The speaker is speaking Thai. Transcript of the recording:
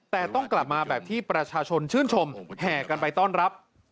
แต่ต้องกลับมาแบบที่ประชาชนชื่นชมแห่กันไปต้อนรับ